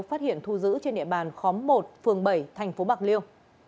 phát hiện thu giữ trên địa bàn khóm một phường bảy thành phố bạc liêu